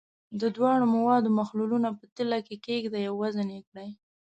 د دواړو موادو محلولونه په تلې کې کیږدئ او وزن یې کړئ.